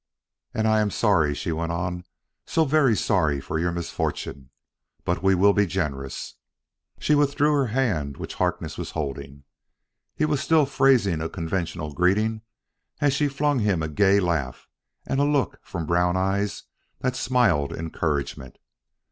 "And I am sorry," she went on, " so very sorry for your misfortune. But we will be generous." She withdrew her hand which Harkness was holding. He was still phrasing a conventional greeting as she flung him a gay laugh and a look from brown eyes that smiled encouragement.